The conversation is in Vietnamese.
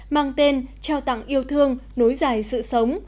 mang tên trao tặng yêu thương nối dài sự sống